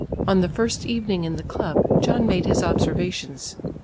On the first evening in the club John made his observations.